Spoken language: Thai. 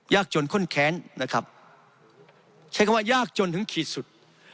จนข้นแค้นนะครับใช้คำว่ายากจนถึงขีดสุด